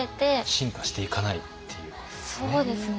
進化していかないっていうことですね。